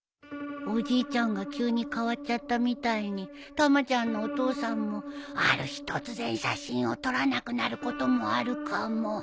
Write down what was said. おじいちゃんが急に変わっちゃったみたいにたまちゃんのお父さんもある日突然写真を撮らなくなることもあるかも。